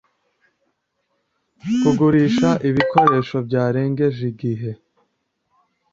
kugurisha ibikoresho byarengeje igihe